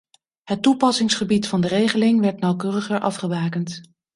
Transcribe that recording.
Het toepassingsgebied van de regeling werd nauwkeuriger afgebakend.